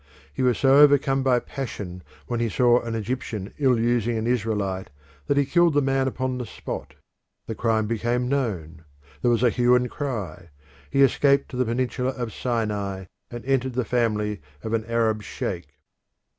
He was so overcome by passion when he saw an Egyptian ill using an Israelite that he killed the man upon the spot. The crime became known: there was a hue and cry; he escaped to the peninsula of Sinai, and entered the family of an Arab sheikh.